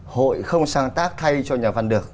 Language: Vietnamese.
hội không sáng tác thay cho nhà văn được